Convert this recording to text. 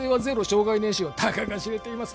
「生涯年収はたかが知れています」